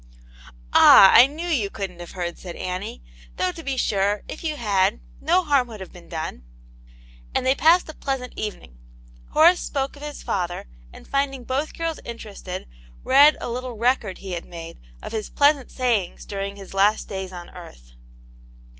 "Ah^ I knew you couldn't have heard," said Annie, 'though to be sure, if you had, no Wicvcv ^qxjX^ Wn^ ^ Aunt Jane's Hero. 57 been done.*' And then they passed a pleasant evening. Horace spoke of his father, and finding both girls interested, read a little record he had made of his pleasant sayings during his last days on earth.